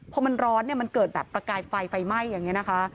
พอมันร้อนเนี่ยมันเกิดแบบประกายไฟไฟไหม้อย่างนี้นะคะ